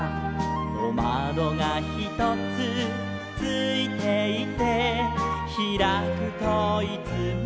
「おまどがひとつついていて」「ひらくといつも」